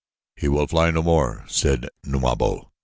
"He will fly no more," said Numabo.